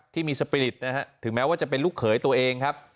ที่มีสปริตนะฮะถึงแม้ว่าจะเป็นลูกเขยตัวเองครับ